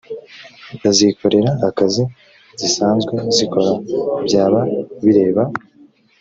bazikorere akazi zisanzwe zikora byaba bireba